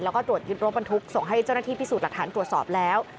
แล้วก็ตรวจยึดรถบรรทุกส่งให้เจ้าหน้าที่พิสูจน์หลักฐานตรวจสอบแล้ว